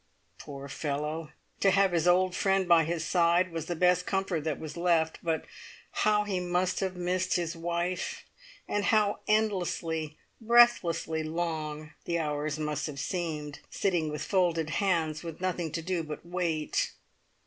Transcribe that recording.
Poor fellow! To have his old friend by his side was the best comfort that was left, but how he must have missed his wife, and how endlessly, breathlessly long the hours must have seemed, sitting with folded hands, with nothing to do but to wait!